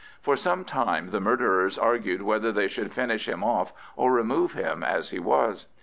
For some time the murderers argued whether they should finish him off, or remove him as he was.